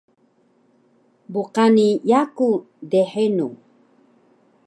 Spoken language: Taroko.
bqani yaku dhenu